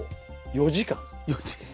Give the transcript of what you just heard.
４時間。